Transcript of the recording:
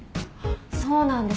そうなんです。